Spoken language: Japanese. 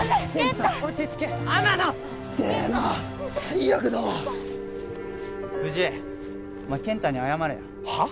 痛えな最悪だわ藤井お前健太に謝れよは？